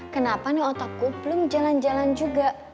kenapa otakku belum jalan jalan juga